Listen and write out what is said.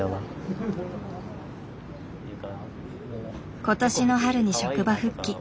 今年の春に職場復帰。